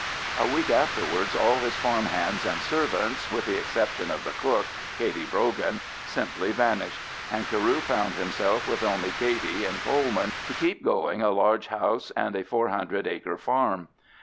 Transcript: A week afterwards all his farm hands and servants, with the exception of the cook, Katey Brogan, simply vanished, and Carew found himself with only Katey and Coleman to keep going a large house and a four hundred acre farm.